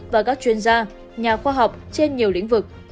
và các chuyên gia nhà khoa học trên nhiều lĩnh vực